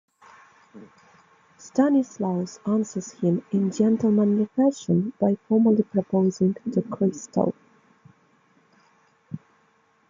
Stanislaus answers him in gentlemanly fashion by formally proposing to Christel.